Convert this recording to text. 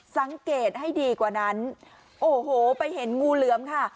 สังเกตให้ดีกว่านั้นโอ้โหไปเห็นงูเหลือมค่ะ